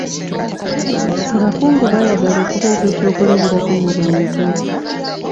Abakungu baayagala okubeera eky'okulabirako mu bantu.